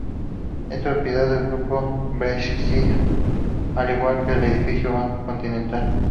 Es propiedad del Grupo Brescia, al igual que El Edificio Banco Continental.